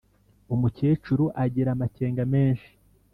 umukecuru agira amakenga menshi